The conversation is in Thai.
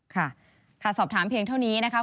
ค่ะค่ะสอบถามเพียงเท่านี้นะคะ